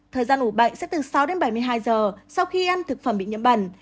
thời gian ủ bệnh sẽ từ sáu đến bảy mươi hai giờ sau khi ăn thực phẩm bị nhiễm bẩn